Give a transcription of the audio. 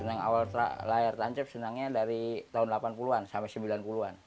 senang awal layar tancap senangnya dari tahun delapan puluh an sampai sembilan puluh an